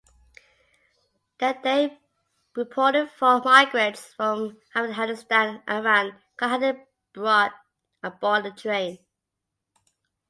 There they reported Four migrants from Afghanistan and Iran caught hiding aboard the train.